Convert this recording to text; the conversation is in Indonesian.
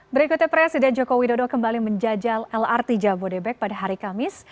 berikutnya presiden joko widodo kembali menjajal lrt jabodebek pada hari kamis